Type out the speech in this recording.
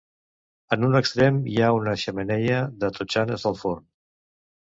En un extrem hi ha una xemeneia de totxanes del forn.